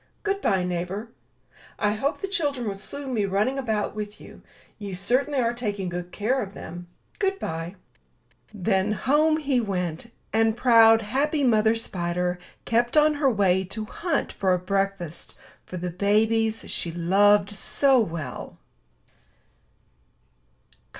Good bye, neighbor. I hope the children will soon be running about with you. You certainly are taking good care of them. Good bye." Then home he went; and proud, happy Mother Spider kept on her way to hunt for a breakfast for the babies she loved so well.